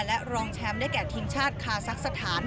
และรองแชมป์ได้แก่ทีมชาติคาซักสถาน